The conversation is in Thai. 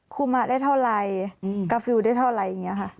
คุณมาได้เท่าไรกับคุณได้เท่าไรอย่างนี้ค่ะ